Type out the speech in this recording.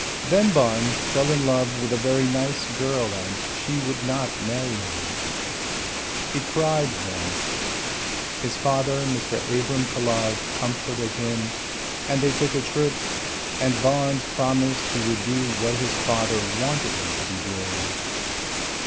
Then Barnes fell in love with a very nice girl and she would not marry him. He cried then, his father Mr. Abram Colhard comforted him and they took a trip and Barnes promised he would do what his father wanted him to be doing.